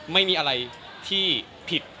ไม่มีอะไรที่ผิด